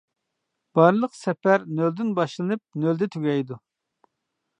بارلىق سەپەر نۆلدىن باشلىنىپ نۆلدە تۈگەيدۇ.